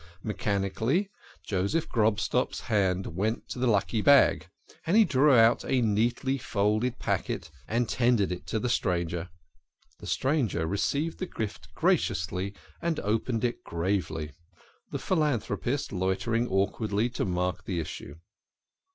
Mechanically Joseph Grobstock's hand went to the lucky bag, and he drew out a neatly folded packet and ten dered it to the stranger. The stranger received the gift graciously, and opened it gravely, the philanthropist loitering awkwardly to mark the issue.